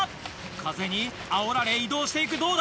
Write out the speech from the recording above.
風にあおられ移動して行くどうだ？